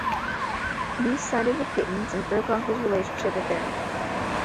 Leese sided with Gittens and broke off his relationship with Baron.